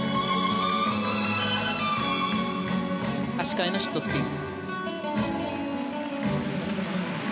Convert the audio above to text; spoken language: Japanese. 足換えのシットスピン。